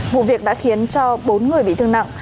vụ việc đã khiến cho bốn người bị thương nặng